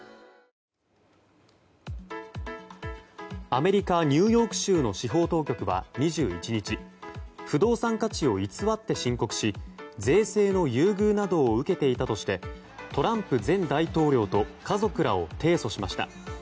アメリカニューヨーク州の司法当局は２１日不動産価値を偽って申告し税制の優遇などを受けていたとしトランプ前大統領と家族らを提訴しました。